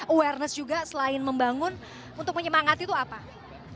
awareness juga selain membantu pemerintah dan pemerintah yang sudah berpengalaman dengan perusahaan